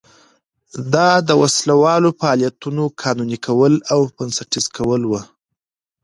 دا د وسله والو فعالیتونو قانوني کول او بنسټیزه کول و.